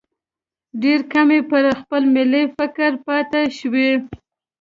ډېر کم یې پر خپل ملي فکر پاتې شوي.